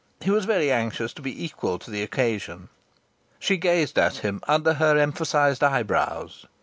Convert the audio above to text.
He was very anxious to be equal to the occasion. She gazed at him under her emphasized eyebrows.